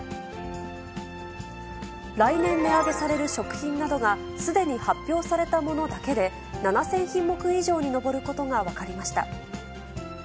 来年値上げされる食品などがすでに発表されたものだけで、７０００品目以上に上ることが分かりました。